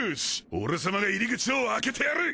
オレ様が入り口を開けてやる！